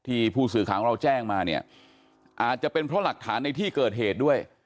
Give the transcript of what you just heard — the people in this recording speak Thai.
ผู้สื่อข่าวของเราแจ้งมาเนี่ยอาจจะเป็นเพราะหลักฐานในที่เกิดเหตุด้วย